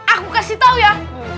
aku kasih tau ya